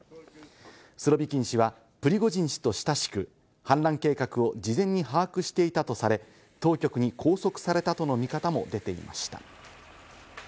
スロビキン氏はプリゴジン氏と親しく、反乱計画を事前に把握していたとされ、当局に拘束されたとの見方も出ていました。